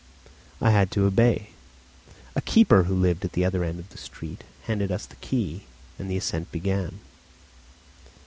I had to obey. A keeper who lived at the other end of the street handed us the key, and the ascent began.